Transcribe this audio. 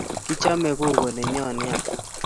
Kichame kuko neyon nea